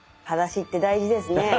はだしって大事ですね。